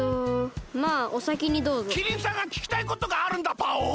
キリンさんがききたいことがあるんだパオン。